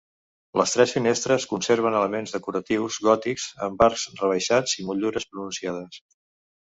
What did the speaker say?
Les tres finestres conserven elements decoratius gòtics amb arcs rebaixats i motllures pronunciades.